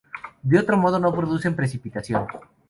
De otro modo no producen precipitación.